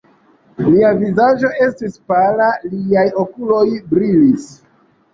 Lia vizaĝo estis pala, liaj okuloj brilis.